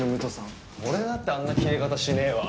俺だってあんなキレ方しねえわ。